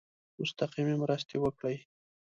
مستقیمي مرستي وکړي.